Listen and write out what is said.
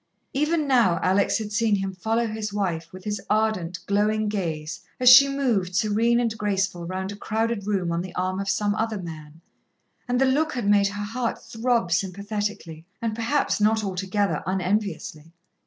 Even now, Alex had seen him follow his wife with his ardent, glowing gaze, as she moved, serene and graceful, round a crowded room on the arm of some other man and the look had made her heart throb sympathetically, and perhaps not altogether unenviously.